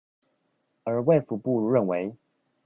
而衛福部認為